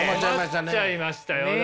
困っちゃいましたよ。